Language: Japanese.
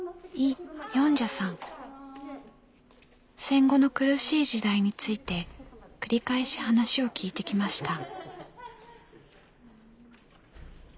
戦後の苦しい時代について繰り返し話を聞いてきました。